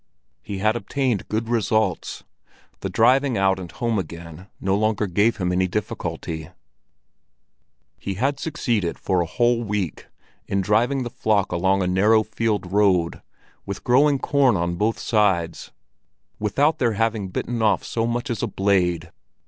He had obtained good results. The driving out and home again no longer gave him any difficulty; he had succeeded for a whole week in driving the flock along a narrow field road, with growing corn on both sides, without their having bitten off so much as a blade.